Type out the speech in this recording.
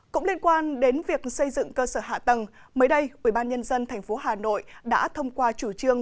cũng liên quan đến việc xây dựng cơ sở hạ tầng mới đây ubnd tp hà nội đã thông qua chủ trương